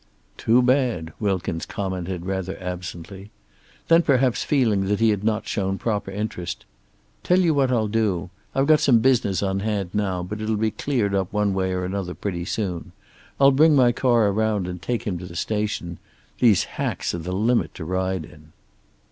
"Too bad," Wilkins commented rather absently. Then, perhaps feeling that he had not shown proper interest, "Tell you what I'll do. I've got some business on hand now, but it'll be cleared up one way or another pretty soon. I'll bring my car around and take him to the station. These hacks are the limit to ride in."